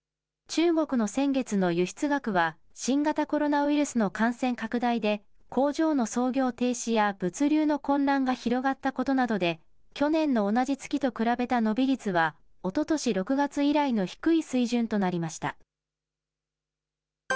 中国の先月の輸出額は、新型コロナウイルスの感染拡大で、工場の操業停止や物流の混乱が広がったことなどで、去年の同じ月と比べた伸び率は、おととし６月以来の低い水準となりました。